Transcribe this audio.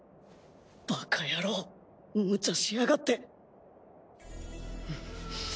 バカ野郎無茶しやがって！